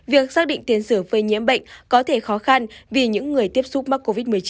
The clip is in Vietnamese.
việc xác định tiền sử phơi nhiễm bệnh có thể khó khăn vì những người tiếp xúc mắc covid một mươi chín